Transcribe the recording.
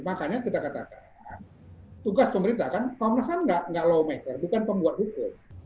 makanya kita katakan tugas pemerintah kan kalau penasaran nggak low maker bukan pembuat hukum